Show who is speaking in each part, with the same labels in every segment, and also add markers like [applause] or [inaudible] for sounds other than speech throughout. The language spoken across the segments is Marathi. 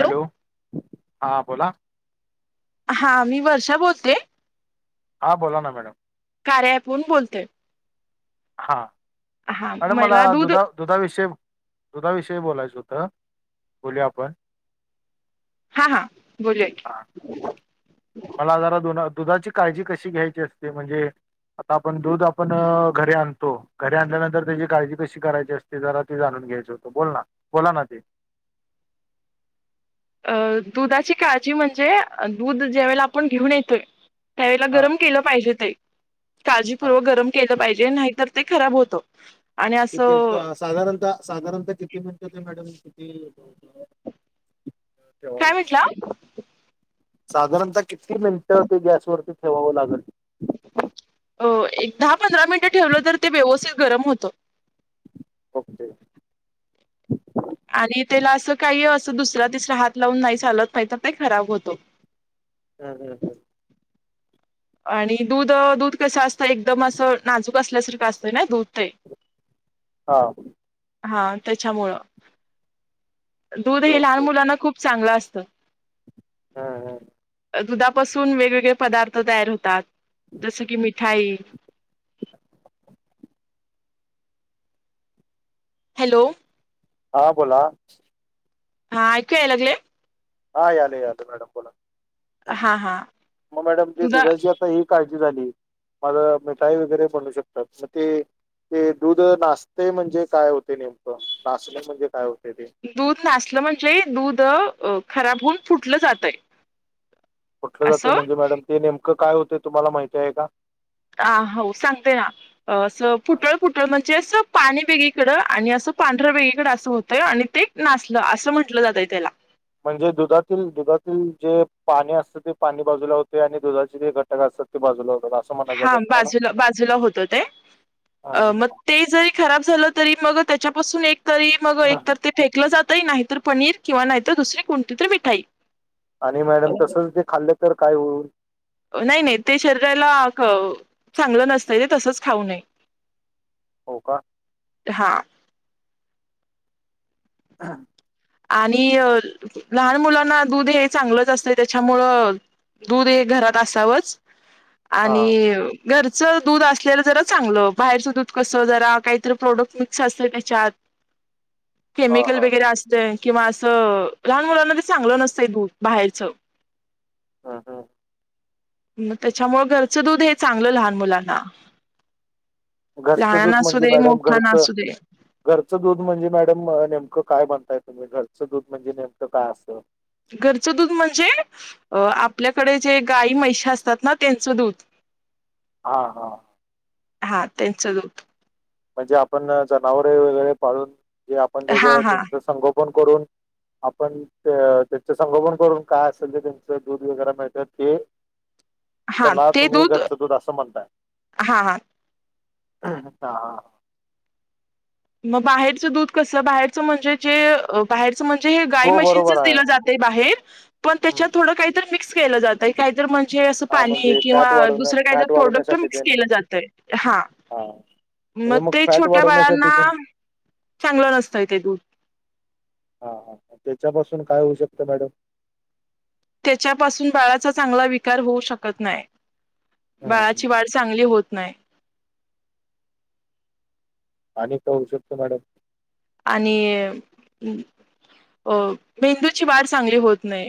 Speaker 1: हॅलो, हां बोला.
Speaker 2: हा, मी वर्षा बोलते.
Speaker 1: हां बोला ना मॅडम.
Speaker 2: कार्या अँपहून बोलते.
Speaker 1: हा,
Speaker 2: हा
Speaker 1: मॅडम मला
Speaker 2: दूध
Speaker 1: दुधा दुधाविषयी, दुधाविषयी बोलायचं होतं. बोलूया आपण?
Speaker 2: हा, हां, बोलुया की.
Speaker 1: हा मला जरा दुध दुधाची काळजी कशी घ्यायची असते, म्हणजे आता आपण दूध आपण घरी आणतो, घरी आणल्यानंतर त्याची काळजी कशी करायची असते? ते जरा ते जाणून घ्यायच होतं, बोल ना, बोला ना ते.
Speaker 2: अ, दुधाची काळजी म्हणजे, दूध ज्या वेळेला आपण घेऊन येतोय. त्यावेळेला
Speaker 1: हा
Speaker 2: गरम केलं पाहिजे ते,
Speaker 1: हा
Speaker 2: काळजीपूर्वक गरम केलं पाहिजे, नाही तर ते खराब होत.
Speaker 1: ते किती साधारणतः साधारणतः किती मिनटं ते मॅडम किती? ठेवाव.
Speaker 2: काय म्हटला
Speaker 1: साधारणतः किती मिनिटं ते गॅसवरती ठेवावं लागल?
Speaker 2: हो, एक दहा पंधरा मिनिटं ठेवलं तर, ते व्यवस्थित गरम होतं.
Speaker 1: ओके.
Speaker 2: आणि त्याला असं काही, असं दुसरा तिसरा हात लावून नाही चालत, नाही त ते खराब होत.
Speaker 1: हं हं हं.
Speaker 2: आणि दूध दूध कसं असतय, एकदम असं नाजूक असल्यासारखं असतंय ना, दूध ते. [inaudible]
Speaker 1: हां.
Speaker 2: हा त्याच्यामुळं, दूध हे लहान
Speaker 1: ओके
Speaker 2: मुलांना खूप चांगलं असतं.
Speaker 1: हम्म हम्म.
Speaker 2: दुधापासून वेगवेगळे पदार्थ तयार होतात, जसं की मिठाई. हॅलो.
Speaker 1: हा बोला.
Speaker 2: हा ऐकूयेया लागले.
Speaker 1: हा याले याल मॅडम बोला,
Speaker 2: हा हा
Speaker 1: म मॅडम ते
Speaker 2: दुधा
Speaker 1: दुधाच आता ही काळजी झाली, माग मिठाई वगैरे बनू शकतात, त ते ते दूध नासते म्हणजे काय होते नेमकं? नासणे म्हणजे काय होते ते?
Speaker 2: दूध नासलं म्हणजे, दूध खराब होऊन, फुटलं जातय.
Speaker 1: फुठलं जातय
Speaker 2: असं
Speaker 1: म्हणजे, मॅडम ते नेमकं काय होतय, तुम्हाला माहिती आहे का?
Speaker 2: आ हो, सांगते ना. असं फुटळ फुटळ म्हणजे असं, पाणी वेगळीकडं, आणि असं पांढरं वेगळीकड, असं होतंय, आणि ते नासल, असं म्हंटलं जातय त्याला.
Speaker 1: म्हणजे दुधातील, दुधातील, जे पाणी असत, ते पाणी बाजूला होते, आणि दुधाचे जे घट क असतात ते बाजूला होतात आस.
Speaker 2: हा, बाजूला बाजूला होतो ते. अ मग
Speaker 1: हा.
Speaker 2: ते जरी खराब झालं तरी मग त्याच्यापासून एक तरी मग एक तर ते फेकलं जातय नाहीतर पनीर किंवा नाहीतर दुसरी कोणतीतरी मिठाई.
Speaker 1: आणि
Speaker 2: अ,
Speaker 1: मॅडम तसच ते खाल्लं तर काय होईल?
Speaker 2: नाही नाही, ते शरीराला क चांगलं नसतंय ते, तसंच खाऊ नये.
Speaker 1: हो का?
Speaker 2: हा.
Speaker 1: हा.
Speaker 2: आणि लहान मुलांना दूध हे चांगलंच असतय त्याच्यामुळं दूध हे घरात असावचं आणि घरचं दूध असलेलं जरा चांगलं बाहेरचं दूध कसं जरा काहीतरी प्रोडक्ट मिक्स असत त्याच्यात. [inaudible]
Speaker 1: हा
Speaker 2: केमिकल
Speaker 1: हा
Speaker 2: वगैरे असते किंवा असं लहान मुलांना ते चांगलं नसतंय दूध बाहेरचं.
Speaker 1: हं हं.
Speaker 2: त्याच्यामुळे घरचं दूध हे चांगलं लहान मुलांना.
Speaker 1: घरचं
Speaker 2: लहानाना
Speaker 1: दूध
Speaker 2: असू
Speaker 1: म्हणजे
Speaker 2: दे
Speaker 1: मॅडम
Speaker 2: मोठ्यांना
Speaker 1: घरचं
Speaker 2: असू दे.
Speaker 1: घरचं दूध म्हणजे मॅडम नेमकं काय म्हणताय तुम्ही घरचं दूध म्हणजे नेमकं काय असं?
Speaker 2: घरचं दूध म्हणजे अ आपल्याकडे जे गाई म्हैशी असतात ना त्यांचं दूध. [inaudible]
Speaker 1: हा हा.
Speaker 2: हा त्यांच दूध.
Speaker 1: म्हणजे आपण जनावरे वगैरे पाळून जे आपण त्याच
Speaker 2: हा हा
Speaker 1: त्यांचं संगोपन करून आपण त्याच संगोपन करून काय असेल ते त्यांचं दूध वगैरे मिळत ते
Speaker 2: हा
Speaker 1: त्यांना
Speaker 2: ते
Speaker 1: तुम्ही घरचं दूध असं म्हणताय.
Speaker 2: हा हा
Speaker 1: ह हा हा
Speaker 2: मग बाहेरचं दूध कस बाहेरच म्हणजे जे बाहेरच म्हणजे हे गाय
Speaker 1: हो
Speaker 2: मशीनचच
Speaker 1: बरोबर आहे.
Speaker 2: दिलं जात. य बाहेर पण
Speaker 1: हम्म.
Speaker 2: त्याच्यात थोड काहीत मिक्स केलं जात. काही तर म्हणजे असं
Speaker 1: हा
Speaker 2: पाणी
Speaker 1: म्हणजे फॅट
Speaker 2: किंवा
Speaker 1: वाढवण्या
Speaker 2: दुसरं काहीत
Speaker 1: फॅट
Speaker 2: प्रोडक्ट
Speaker 1: वाढवण्यासाठी
Speaker 2: मिक्स
Speaker 1: तेन
Speaker 2: केलं जातय हा.
Speaker 1: हा.
Speaker 2: मग
Speaker 1: म्हणजे
Speaker 2: ते
Speaker 1: फॅट
Speaker 2: छोट्या
Speaker 1: वाढवण्यासाठी
Speaker 2: बाळांना
Speaker 1: तेन
Speaker 2: चांगलं नसतंय ते दूध.
Speaker 1: हा हा त्याच्यापासून काय होऊ शकत मॅडम?
Speaker 2: त्याच्यापासून बाळाचा चांगला विकार होऊ शकत नाही
Speaker 1: हम्म.
Speaker 2: बाळाची वाढ चांगली होत नाही.
Speaker 1: आणि काय होऊ शकत मॅडम?
Speaker 2: आणि अ मेंदूची वाढ चांगली होत नाही.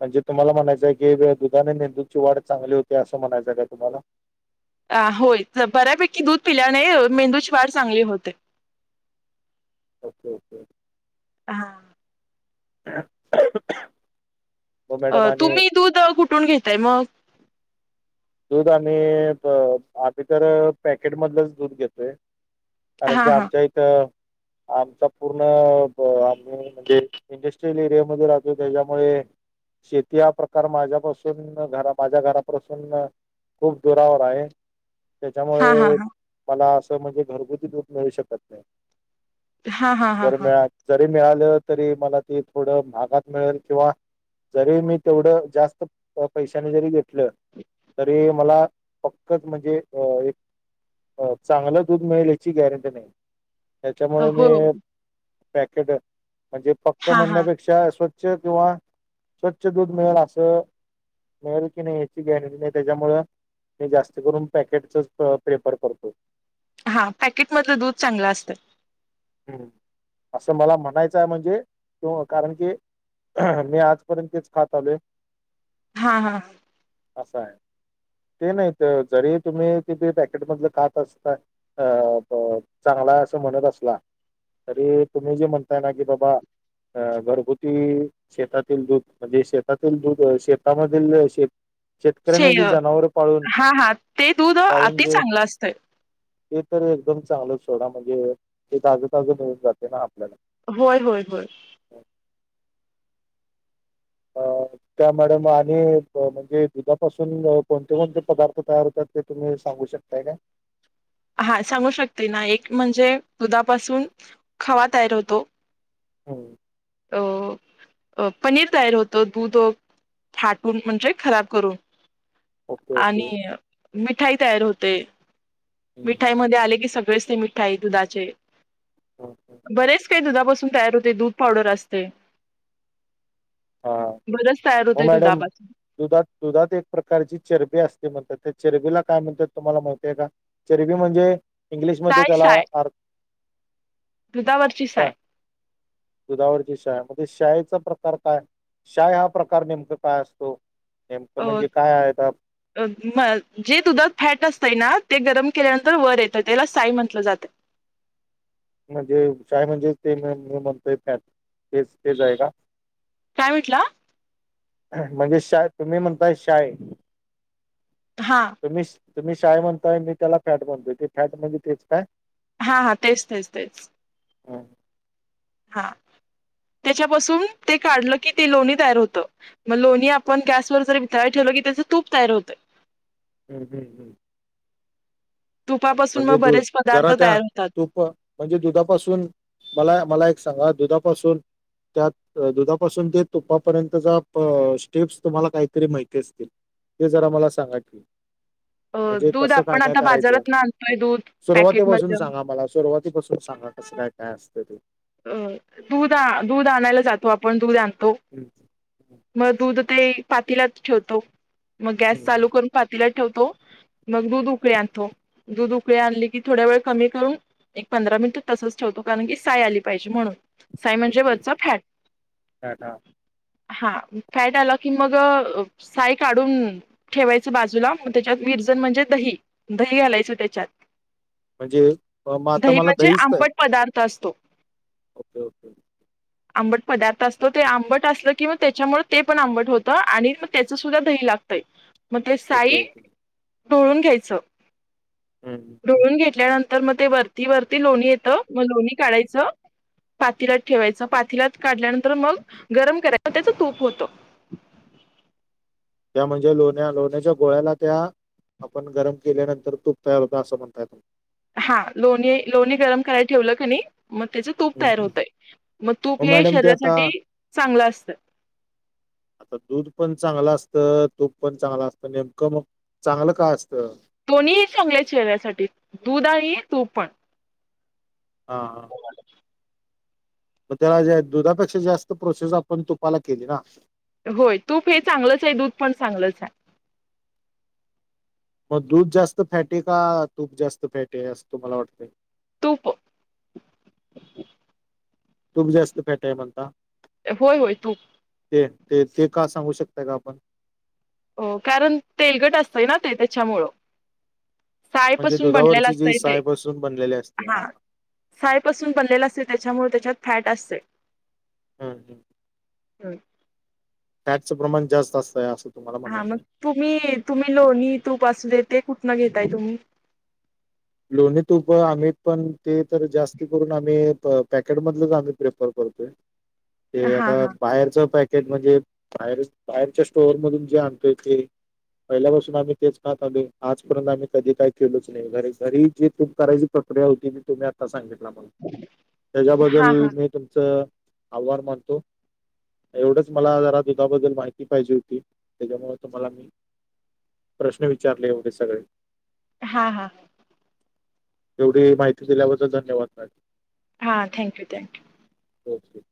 Speaker 1: म्हणजे तुम्हाला म्हणायचंय की दुधाने मेंदूची वाढ चांगली होती असं म्हणायचं काय तुम्हाला?
Speaker 2: अ होय बऱ्यापैकी दूध पिल्याने मेंदूची वाढ चांगली होते. [inaudible]
Speaker 1: Okay okay.
Speaker 2: हा.
Speaker 1: [unintelligible] हो मॅडम
Speaker 2: अ
Speaker 1: आणि
Speaker 2: तुम्ही दूध कुठून घेताय मग?
Speaker 1: दूध आम्ही अ आम्ही तर पॅकेटमधलंच दूध घेतोय. कारण की
Speaker 2: हा हा
Speaker 1: आमच्या इथं आमचा पूर्ण आम्ही म्हणजे इंडस्ट्रीयल एरियामध्ये राहतो त्याच्यामुळे शेती हा प्रकार माझ्यापासून घरा माझ्या घरापासून खूप दुरावर आहे
Speaker 2: हा हा
Speaker 1: त्याच्यामुळे
Speaker 2: हा
Speaker 1: मला असं म्हणजे घरगुती दूध मिळू शकत नाही
Speaker 2: हा हा हा
Speaker 1: जर
Speaker 2: हा
Speaker 1: मिळा जरी मिळालं तरी मला ती थोडं महागात मिळेल किंवा जरी मी तेवढं जास्त पैशानी जरी घेतलं तरी मला फक्कच म्हणजे अ एक चांगलं दूध मिळेल याची गॅरंटी नाही त्याच्यामुळे मी
Speaker 2: हो
Speaker 1: पॅकेट म्हणजे पक्क
Speaker 2: हा हा
Speaker 1: म्हणण्यापेक्षा स्वछ छ किंवा स्वच्छ दूध मिळेल असं मिळेल कि नाही ह्याची गॅरंटी नाई त्याच्यामुळं मी जास्त करून पॅकेटच प्रेफर करतो.
Speaker 2: हा पॅकेट मधलं दूध चांगलं असतं.
Speaker 1: हम्म. असं मला म्हणायचं आहे म्हणजे कारण की मी आजपर्यंत तेच खात आलोय.
Speaker 2: हा हा हा.
Speaker 1: असाय ते नाहीत ते जरी तुम्ही तिथे पॅकेटमधलं खात असताय अ ब चांगलाय असं म्हणत असला तरी तुम्ही जे म्हणताय ना की बाबा आ घरगुती शेतातील दूध म्हणजे शेतातील दूध शेतामधील शेत
Speaker 2: से
Speaker 1: शेतकऱ्यांनी जी जनावर पाळून
Speaker 2: हा हा ते दूध
Speaker 1: पाळून
Speaker 2: अति
Speaker 1: जे
Speaker 2: चांगलं असतंय.
Speaker 1: ते तर एकदम चांगलं सोडा म्हणजे ते ताज ताज मिळून जातय ना आपल्याला
Speaker 2: होय होय होय
Speaker 1: अ त्या मॅडम आणि म्हणजे दुधापासून कोणते कोणते पदार्थ तयार होतात ते तुम्ही सांगू शकताय का
Speaker 2: हा सांगू शकते ना एक म्हणजे दुधापासून खवा तयार होतो
Speaker 1: हुं
Speaker 2: अ अ पनीर तयार होतो दूध फाटून म्हणजे खराब करून
Speaker 1: ओके ओके
Speaker 2: आणि मिठाई तयार होते मिठाई मध्ये आले की सगळेच ते मिठाई दुधाचे बरेच काही दुधापासून तयार होते दूध पावडर असते
Speaker 1: हा
Speaker 2: बरच तयार होत
Speaker 1: मग मॅडम
Speaker 2: दुधापासून
Speaker 1: दुधात दुधात एक प्रकारची चरबी असते म्हणतात त्या चरबीला काय म्हणतात तुम्हाला माहतीय का चरबी म्हणजे इंग्लिशमध्ये
Speaker 2: साय
Speaker 1: त्याला
Speaker 2: साय
Speaker 1: अर्क
Speaker 2: दुधावरची साय
Speaker 1: दुधावरची शाय म ते शायचा प्रकार काय शाय हा प्रकार नेमकं काय असतो नेमकं
Speaker 2: अ
Speaker 1: म्हणजे काय आहे अता
Speaker 2: म जे दुधात फॅट असतय ना ते गरम केल्यानंतर वर येतं त्याला साई म्हटलं जातं
Speaker 1: म्हणजे शाय म्हणजे ते म म्हणतोय फॅट तेच तेच आहे का
Speaker 2: काय म्हटला
Speaker 1: म्हणजे शाय तुम्ही म्हणताय शाय
Speaker 2: हा
Speaker 1: तुम्ही तुम्ही शाय म्हणताय मी त्याला फॅट म्हनतोय ते फॅट म्हणजे तेच काय
Speaker 2: हा हा तेच तेच तेच
Speaker 1: हा
Speaker 2: हा त्याच्यापासून ते काढलं की ते लोणी तयार होत मग लोणी आपण गॅसवर जरी वितळाय ठेवलं की त्याचं तूप तयार होतंय
Speaker 1: ह ह्ं हं
Speaker 2: तुपापासून
Speaker 1: म्हणजे
Speaker 2: मग
Speaker 1: दूध
Speaker 2: बरेच पदार्थ
Speaker 1: जरा त्या
Speaker 2: तयार होतात.
Speaker 1: तूप म्हणजे दुधापासून मला मला एक सांगा दुधापासून त्यात दुधापासून ते तुपापर्यंतचा प स्टेप्स तुम्हाला काहीतरी माहिती असतील. ते जरा मला सांगा की?
Speaker 2: अ
Speaker 1: म्हणजे
Speaker 2: दूध
Speaker 1: कसं काय
Speaker 2: आपण
Speaker 1: काय
Speaker 2: आता
Speaker 1: करायचं
Speaker 2: बाजारातन आणतोय दूध
Speaker 1: सुरुवातीपासून
Speaker 2: पॅकेटमधलं.
Speaker 1: सांगा मला सुरुवातीपासून सांगा कसं काय काय असतं ते
Speaker 2: अ दूध दूध आणायला जातो आपण दूध आणतो.
Speaker 1: हम्म.
Speaker 2: मग दूध ते पातीलात ठेवतो. मग गॅस
Speaker 1: हं,
Speaker 2: चालू करून. पातील्यात ठेवतो मग दूध उकळी आणतो. दूध उकळी आणली की, थोड्या वेळ कमी करून एक पंधरा मिनिट तसच ठेवतो. कारण की साय आली. पैशे म्हणून साई म्हणजे
Speaker 1: ओके
Speaker 2: वरचा फॅट
Speaker 1: हा, हा.
Speaker 2: हा फॅट आला की मग साई काढून ठेवायचं बाजूला मग त्याच्यात विरजन म्हणजे दही दही घालायच त्याच्यात
Speaker 1: म्हणजे मग आता
Speaker 2: दही
Speaker 1: मला
Speaker 2: म्हणजे
Speaker 1: दहीसत आहे.
Speaker 2: आंबट पदार्थ असतो.
Speaker 1: Okay okay.
Speaker 2: आंबट पदार्थ असतो, ते आंबट असलं की मग त्यांच्यामुळे ते पण आंबट होतं, आणि मग त्याच सुद्धा दही लागतंय. मग
Speaker 1: ओके
Speaker 2: साई
Speaker 1: ओके
Speaker 2: ढवळून घ्यायचं,
Speaker 1: हं.
Speaker 2: ढवळून घेतल्यानंतर तर मग ते वरती वरती लोणी येतं, मग लोणी काढायचं. पातील्यात ठेवायचं, पातीलात काढल्यानंतर मग गरम करायच त्याच तूप होत.
Speaker 1: त्या म्हणजे, लोण्या लोण्याच्या गोळ्याला त्या आपण गरम केल्यानंतर, तूप तयार होत असं म्हणताय तुम्ही.
Speaker 2: हा लोणी लोणी गरम करायला ठेवलं कणी, मग तेच तूप तयार
Speaker 1: हं.
Speaker 2: होतंय, मग तूप हे
Speaker 1: मॅडम ते आता
Speaker 2: शरीरासाठी चांगलं असतं.
Speaker 1: दूध पण चांगलं असतं, तूप पण चांगलं असतं नेमकं मग. चांगलं काय असत.
Speaker 2: दोन्ही चांगले, चेहऱ्यासाठी दूध आणि तू पण.
Speaker 1: हां हां. मग त्या, दुधापेक्षा जास्त प्रोसेस आपण तुपाला केली ना.
Speaker 2: होय तूप हे चांगलंच हाय, दूध पण चांगलंच हाय.
Speaker 1: मग दूध जास्त फॅटी का, तूप जास्त फॅटी असं तुम्हाला वाटतंय.
Speaker 2: तूप.
Speaker 1: तूप जास्त फॅटी हाय म्हणता.
Speaker 2: होय होय तूप
Speaker 1: ते ते ते का सांगू शकताय, का आपण
Speaker 2: हो कारण तेलकट असतंय ना, ते त्याच्यामुळं साय
Speaker 1: म्हणजे
Speaker 2: पासून बनलेला
Speaker 1: दुधावरची जी
Speaker 2: असतेय ते,
Speaker 1: सायपासून बनलेली असते
Speaker 2: हा सायपासून बनलेलं असते, त्यांच्यामुळे त्याच्यात फॅट असते.
Speaker 1: हम हम.
Speaker 2: हम.
Speaker 1: फॅटचं प्रमाण जास्त असतंय असं. तुम्हाला
Speaker 2: हा
Speaker 1: म्हणायचं
Speaker 2: मग
Speaker 1: आहे
Speaker 2: तुम्ही तुम्ही लोणी तूप असूदे, ते कुठनं घेताय तुम्ही.
Speaker 1: लोणी तुप आम्ही पण ते तर, जास्ती करून आम्ही पॅकेटमधलंच आम्ही प्रेफर करतोय.
Speaker 2: [inaudible]
Speaker 1: ते
Speaker 2: हा
Speaker 1: आता
Speaker 2: हा
Speaker 1: बाहेरच पॅकेट म्हणजे, बाहेर बाहेरच्या स्टोअर मधून जे आणतोय ते. पहिल्यापासून आम्ही तेच खातं आलोय. आजपर्यंत आम्ही कधी काय, केलोच नाही घरीच. घरी जी तुप करायची प्रक्रिया होती. ती तुम्ही आता सांगितला मला
Speaker 2: हा
Speaker 1: त्यांच्याबद्दल मी. तुमचं आभार मानतो. एवढंच मला जरा दुधाबद्दल माहिती पाहिजे होती. त्याच्यामुळे तुम्हाला मी, प्रश्न विचारले येवढे सगळे.
Speaker 2: हा हा.
Speaker 1: एवढी माहिती दिल्याबद्दल धन्यवाद मॅडम.
Speaker 2: हां थँक्यू थँक्यू.
Speaker 1: ओके.